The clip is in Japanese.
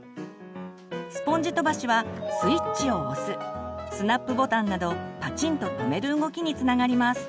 スポンジ飛ばしはスイッチを押すスナップボタンなどパチンと留める動きにつながります。